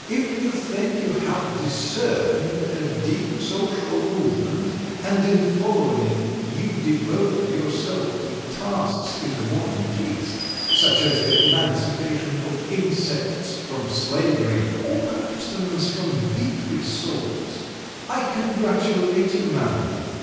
If you think you have discerned a deep social movement, and in following it you devote yourself to tasks in the modern taste, such as the emancipation of insects from slavery or abstinence from beef rissoles, I congratulate you, Madam.